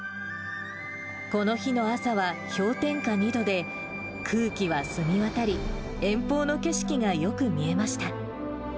この日の朝は氷点下２度で、空気は澄み渡り、遠方の景色がよく見えました。